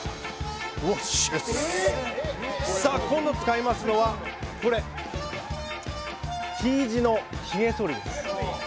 今度使いますのは、これＴ字のひげそりです。